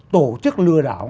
tổ chức lừa đảo